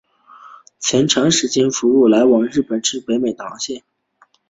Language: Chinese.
曾长时间服务来往日本至北美的航线。